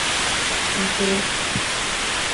サークル